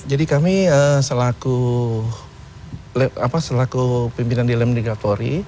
jadi kami selaku pimpinan di lembiklat polri